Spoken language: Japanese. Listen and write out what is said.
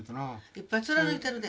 いっぱい貫いてるで。